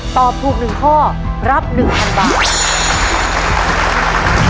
ตอบถูกหนึ่งข้อรับหนึ่งพันบาท